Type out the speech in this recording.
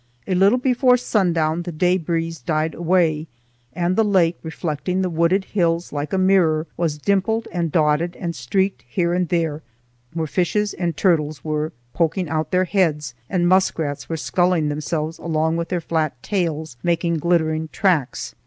A little before sundown the day breeze died away, and the lake, reflecting the wooded hills like a mirror, was dimpled and dotted and streaked here and there where fishes and turtles were poking out their heads and muskrats were sculling themselves along with their flat tails making glittering tracks.